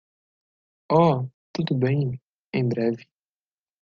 Oh, tudo bem em breve.